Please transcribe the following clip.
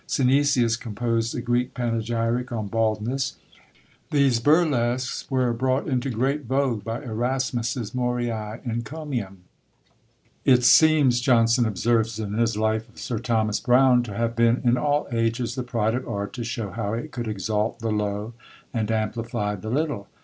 Synesius composed a Greek panegyric on Baldness. These burlesques were brought into great vogue by Erasmus's Moriæ Encomium. It seems, Johnson observes in his life of Sir Thomas Browne, to have been in all ages the pride of art to show how it could exalt the low and amplify the little.